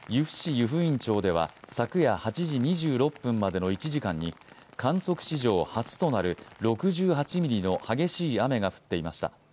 湯布院町では昨夜８時２６分までの１時間に観測史上初となる６８ミリの激しい雨が降っていました。